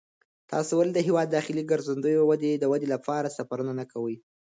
تاسې ولې د هېواد د داخلي ګرځندوی د ودې لپاره سفرونه نه کوئ؟